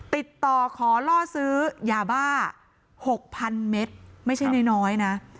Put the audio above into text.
ติดต่อขอล่อซื้อยาบ้า๖๐๐๐เมตรไม่ใช่น้อยนะ